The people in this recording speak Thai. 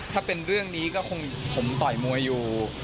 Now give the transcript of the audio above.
ถ้าเป็นเรื่องนี้ก็คงผมต่อยมวยอยู่